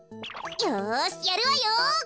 よしやるわよ。